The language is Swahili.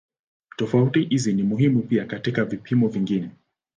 Tofauti hizi ni muhimu pia katika vipimo vingine.